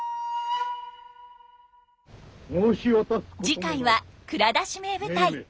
次回は「蔵出し！名舞台」。